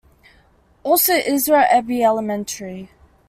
Also Ezra Eby Elementary.